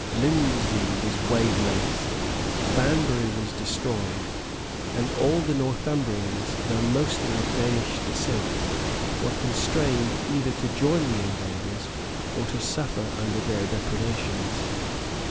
Lindesey was laid waste; Banbury was destroyed; and all the Northumbrians, though mostly of Danish descent, were constrained either to join the invaders, or to suffer under their depredations.